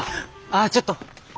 あちょっと。